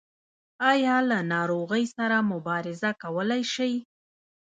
ایا له ناروغۍ سره مبارزه کولی شئ؟